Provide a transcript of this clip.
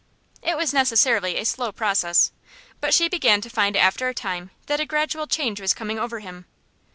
It was necessarily a slow process, but she began to find after a time that a gradual change was coming over him.